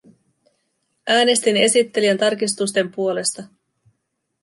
Äänestin esittelijän tarkistusten puolesta.